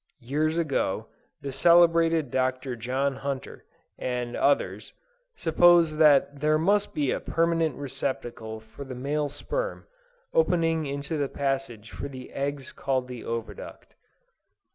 Years ago, the celebrated Dr. John Hunter, and others, supposed that there must be a permanent receptacle for the male sperm, opening into the passage for the eggs called the oviduct.